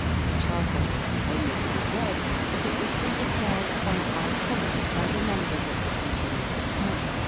The Charter was not only to be read, but it was to be declared point by point by the members of the Continual Council with 1 " Rot.